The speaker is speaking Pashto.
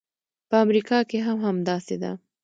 په امریکا کې هم همداسې ده.